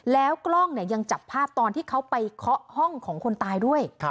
แล้วกล้องเนี่ยยังจับภาพตอนที่เขาไปเคาะห้องของคนตายด้วย